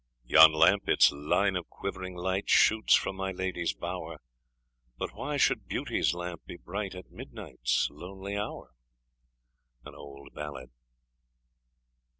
Yon lamp its line of quivering light Shoots from my lady's bower; But why should Beauty's lamp be bright At midnight's lonely hour? OLD BALLAD.